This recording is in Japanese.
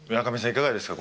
いかがですか？